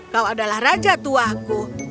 kau adalah raja tuaku